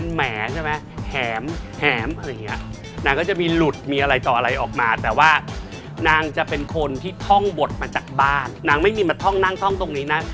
แหมใช่ไหมนางก็จะมีหลุดมีอะไรต่ออะไรออกมาแต่ว่านางจะเป็นคนที่ท่องบทมาจากบ้านนางไม่มีมาท่องนั่งท่องตรงนี้นะ